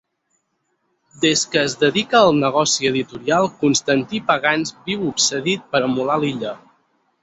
Des que es dedica al negoci editorial Constantí Pagans viu obsedit per emular l'Illa.